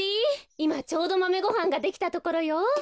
いまちょうどマメごはんができたところよ。